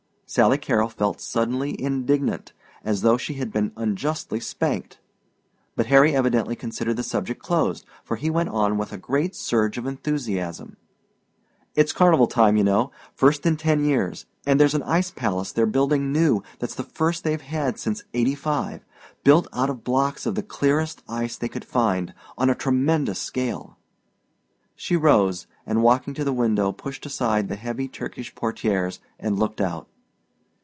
Sally Carrol felt suddenly indignant as though she had been unjustly spanked but Harry evidently considered the subject closed, for he went on with a great surge of enthusiasm. "It's carnival time, you know. First in ten years. And there's an ice palace they're building new that's the first they've had since eighty five. Built out of blocks of the clearest ice they could find on a tremendous scale." She rose and walking to the window pushed aside the heavy Turkish portières and looked out.